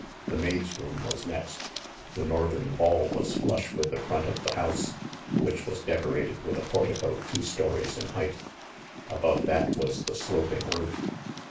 The maid's room was next. The northern wall was flusH with the front of the house, which was decorated with a portico two stories in height. Above that was the sloping roof.